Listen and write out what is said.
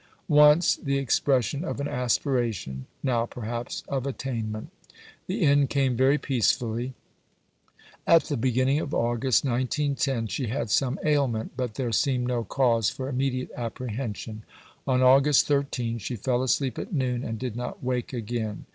Once, the expression of an aspiration; now perhaps, of attainment. The end came very peacefully. At the beginning of August, 1910, she had some ailment, but there seemed no cause for immediate apprehension. On August 13, she fell asleep at noon, and did not wake again.